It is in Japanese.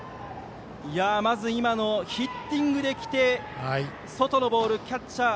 まず今のヒッティングで来て外のボールをキャッチャー。